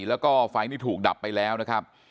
แล้วก็ไฟนี่ถูกดับไปแล้วนะครับ